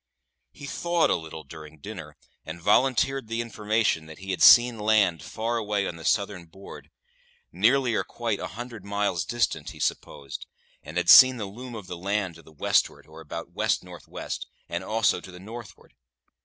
He thawed a little during dinner, and volunteered the information that he had seen land far away on the southern board nearly or quite a hundred miles distant, he supposed and had seen the loom of land to the westward, or about west north west, and also to the northward.